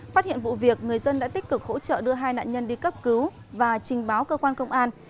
phát hiện vụ việc người dân đã tích cực hỗ trợ đưa hai nạn nhân đi cấp cứu và trình báo cơ quan công an